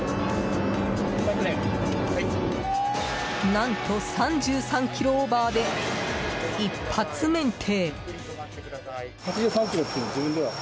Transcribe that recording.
何と、３３キロオーバーで一発免停！